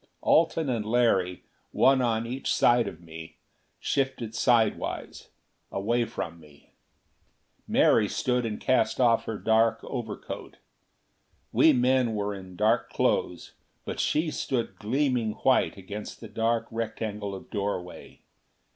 Alten and Larry, one on each side of me, shifted sidewise, away from me. Mary stood and cast off her dark overcoat. We men were in dark clothes, but she stood in gleaming white against the dark rectangle of doorway.